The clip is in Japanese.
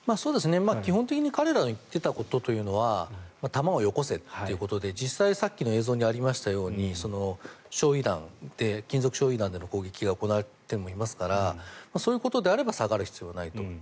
基本的に彼らが言っていたことというのは弾をよこせということで実際さっきの映像にありましたように金属焼い弾での攻撃が行われてもいますからそういうことであれば下がる必要はないと。